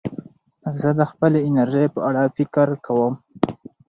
زه د خپلې انرژۍ په اړه فکر کوم.